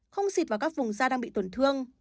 không xịt vào các vùng da đang bị tổn thương